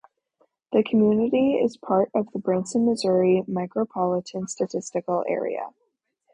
The community is part of the Branson, Missouri Micropolitan Statistical Area.